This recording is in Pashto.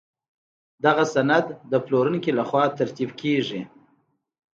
دغه سند د پلورونکي له خوا ترتیب کیږي.